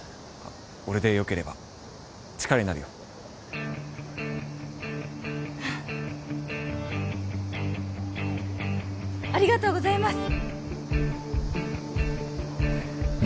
俺でよければ力になるよありがとうございます！